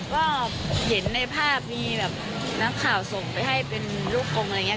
ก็เห็นในภาพมีแบบนักข่าวส่งไปให้เป็นลูกกงอะไรอย่างนี้